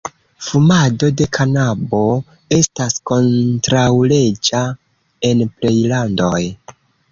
Fumado de kanabo estas kontraŭleĝa en plej landoj.